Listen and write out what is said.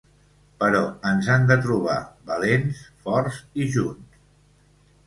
Però ens han de trobar valents, forts i junts!